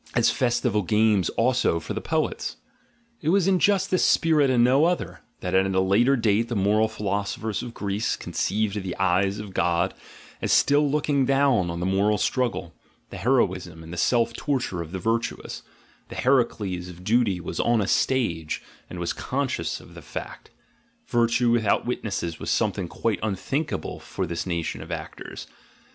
as festival games also for the poets. It was in just this spirit and no other, that at a later date the moral philosophers of Greece conceived the eyes of God as still looking down on the moral struggle, the heroism, and the self torture of the virtuous; the Heracles of duty was on a stage, and was conscious of the fact; virtue without witnesses was something quite unthinkable for this nation of actors.